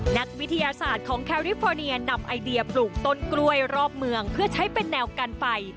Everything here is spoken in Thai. นักวิทยาศาสตร์ของแคริฟอร์เนียนำไอเดียปลูกต้นกล้วยรอบเมืองเพื่อใช้เป็นแนวกันไฟ